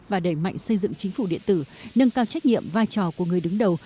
và đẩy mạnh xây dựng chính phủ điện tử nâng cao trách nhiệm vai trò của người đứng đầu